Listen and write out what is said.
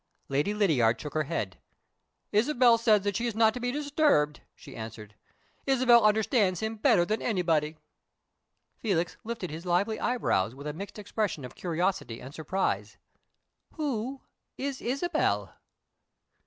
Lady Lydiard shook her head. "Isabel says he had better not be disturbed," she answered. "Isabel understands him better than anybody." Felix lifted his lively eyebrows with a mixed expression of curiosity and surprise. "Who is Isabel?"